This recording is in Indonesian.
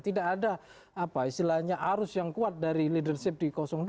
tidak ada apa istilahnya arus yang kuat dari leadership di dua